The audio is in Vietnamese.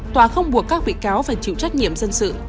tòa không buộc các bị cáo phải chịu trách nhiệm dân sự